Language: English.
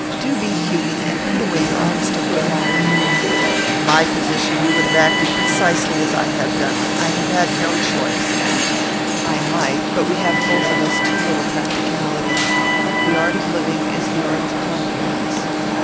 Do be human, and put away your obstinate folly.' 'In my position you would have acted precisely as I have done. I have had no choice.' 'I might; but we have both of us too little practicality. The art of living is the art of compromise.